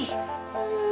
ini anak lagi bersedih